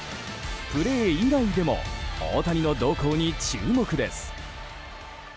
プレー以外でも大谷の動向に注目です。